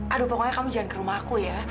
aduh pokoknya kamu jangan ke rumah aku ya